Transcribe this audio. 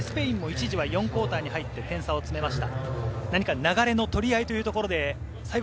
スペインも一時は４クオーターに入って点差を詰めました。